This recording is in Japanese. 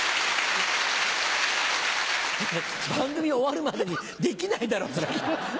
番組終わるまでに出来ないだろそれ。